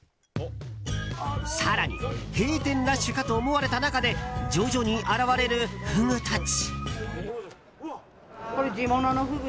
更に、閉店ラッシュかと思われた中で徐々に現れるフグたち。